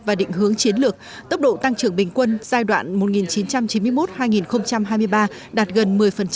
và định hướng chiến lược tốc độ tăng trưởng bình quân giai đoạn một nghìn chín trăm chín mươi một hai nghìn hai mươi ba đạt gần một mươi